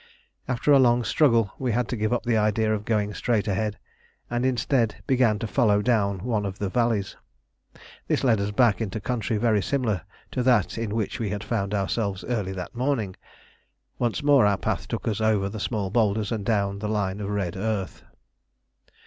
After a long struggle we had to give up the idea of going straight ahead, and instead began to follow down one of the valleys. This led us back into country very similar to that in which we had found ourselves early that morning: once more our path took us over the small boulders and down the line of red earth.